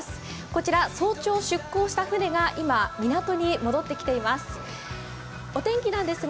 こちら早朝出航した船が今、港に戻ってきています。